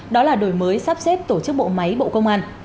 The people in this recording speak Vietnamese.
đó là đổi mới sắp xếp tổ chức bộ máy bộ công an